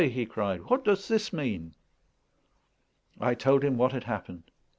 he cried, "what does this mean?" I told him what had happened.